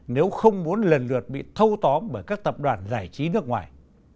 nếu không muốn lần lượt bị thâu tóm bởi các tập đoàn giải trí nước ngoài